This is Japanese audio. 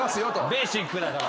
ベイシックだから。